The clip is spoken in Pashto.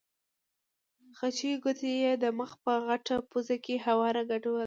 خچۍ ګوته یې د مخ په غټه پوزه کې هواره ګډوله.